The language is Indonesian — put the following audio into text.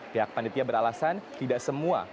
pihak panitia beralasan tidak semua